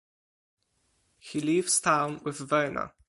He leaves town with Verna.